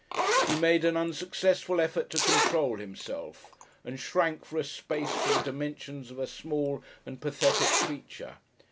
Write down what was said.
He made an unsuccessful effort to control himself, and shrank for a space to the dimensions of a small and pathetic creature.